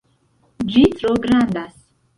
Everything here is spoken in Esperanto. Ĝi tro grandas